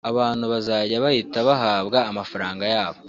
abantu bazajya bahita bahabwa amafaranga yabo